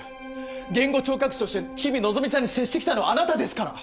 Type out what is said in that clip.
言語聴覚士として日々希ちゃんに接してきたのはあなたですから。